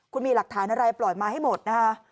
คุณมีหลักฐานอะไรปล่อยมาให้หมดนะคะ